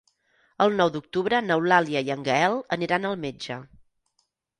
El nou d'octubre n'Eulàlia i en Gaël aniran al metge.